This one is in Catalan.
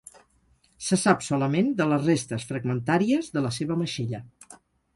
Se sap solament de les restes fragmentàries de la seva maixella.